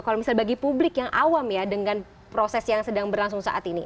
kalau misalnya bagi publik yang awam ya dengan proses yang sedang berlangsung saat ini